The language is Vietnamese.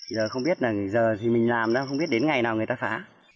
giờ không biết là giờ thì mình làm ra không biết đến ngày nào người ta phá